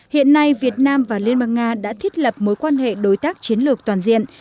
hiện nay việt nam và liên bang nga đã thiết lập mối quan hệ đối tác chiến lược toàn diện